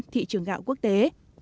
hai mươi năm thị trường gạo quốc tế